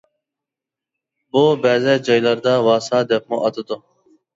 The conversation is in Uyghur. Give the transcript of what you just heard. بۇ بەزى جايلاردا «ۋاسا» دەپمۇ ئاتىدۇ.